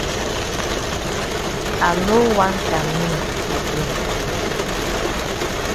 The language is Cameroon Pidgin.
I no want am me again.